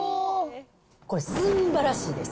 これ、すんばらしいです。